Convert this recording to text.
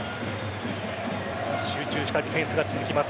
集中したディフェンスが続きます